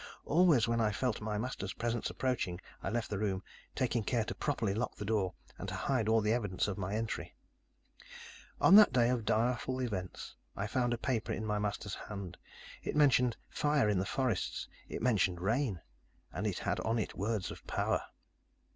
Always, when I felt my master's presence approaching, I left the room, taking care to properly lock the door and to hide all evidence of my entry. "On that day of direful events, I found a paper in my master's hand. It mentioned fire in the forests. It mentioned rain. And it had on it words of power.